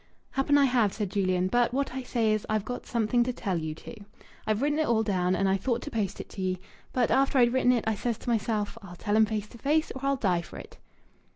"Happen I have," said Julian. "But what I say is, I've got something to tell you two. I've written it all down and I thought to post it to ye. But after I'd written it I says to myself, 'I'll tell 'em face to face or I'll die for it.'"